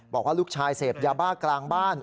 บอกว่าลูกชายเสพยาบ้ากลางบ้าน